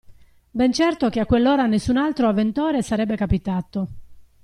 Ben certo che a quell'ora nessun altro avventore sarebbe capitato.